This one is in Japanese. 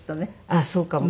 あっそうかも。